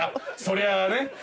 そりゃあね。